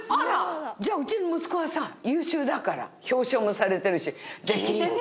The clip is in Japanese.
あら。じゃあうちの息子はさ優秀だから表彰もされてるし。